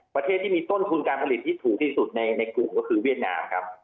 ประเทศที่มีต้นทุนการผลิตที่ถูกที่สุดในกลุ่มก็คือเวียดนามครับ